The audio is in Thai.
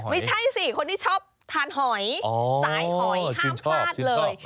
ไม่ใช่สิคนที่ชอบทานหอยสายหอยห้ามพลาดเลย